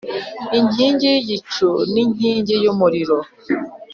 inkingi y igicu n inkingi y umuriro